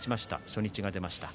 初日が出ました。